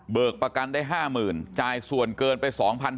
เบิกประกันได้๕๐๐๐๐จ่ายส่วนเกินไป๒๖๔๕